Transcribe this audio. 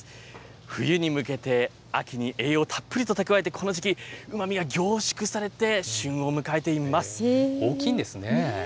冬に向けて、秋に栄養をたっぷりとたくわえて、この時期、うまみが凝縮されて旬を迎えています。